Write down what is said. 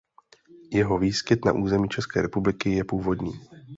Jeho výskyt na území České republiky je původní.